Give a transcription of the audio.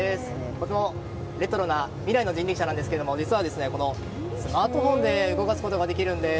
とてもレトロな未来の人力車なんですが実は、このスマートフォンで動かすことができるんです。